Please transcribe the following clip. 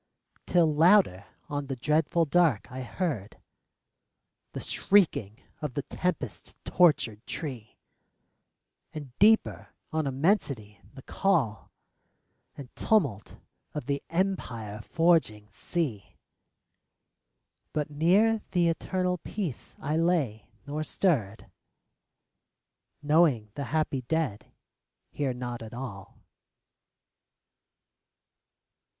Till louder on the dreadful dark I heard The shrieking of the tempest tortured tree, And deeper on immensity the call And tumult of the empire forging sea; But near the eternal Peace I lay, nor stirred, Knowing the happy dead hear not at all.